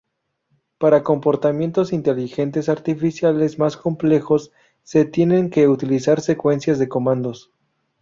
Para comportamientos inteligentes artificiales más complejos se tienen que utilizar secuencias de comandos.